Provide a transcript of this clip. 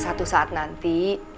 satu saat nanti